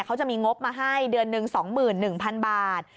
เขาจะมีงบมาให้เดือนหนึ่ง๒๑๐๐๐บาท